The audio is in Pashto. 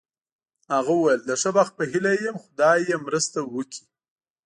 هغه وویل: د ښه بخت په هیله یې یم، خدای یې مرسته وکړي.